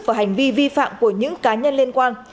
và hành vi vi phạm của những cá nhân liên quan